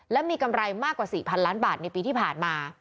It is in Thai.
และมีกำไรมากกว่า๔๐๐ล้านบาทในปีที่ผ่านมา